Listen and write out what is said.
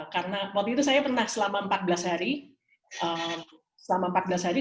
karena waktu itu saya pernah selama empat belas hari